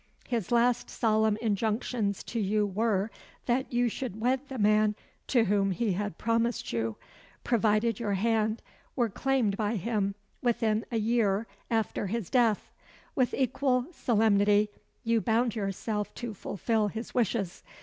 "His last solemn injunctions to you were, that you should wed the man to whom he had promised you; provided your hand were claimed by him within a year after his death. With equal solemnity you bound yourself to fulfil his wishes.